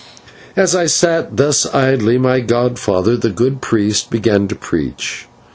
As I sat thus idly, my godfather, the good priest, began to preach.